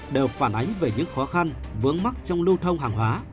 đều phản ánh về những khó khăn vướng mắt trong lưu thông hàng hóa